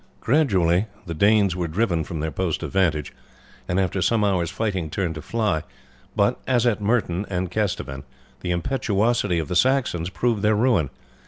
Gradually the Danes were driven from their post of vantage, and after some hours' fighting turned to fly; but, as at Merton and Kesteven, the impetuosity of the Saxons proved their ruin.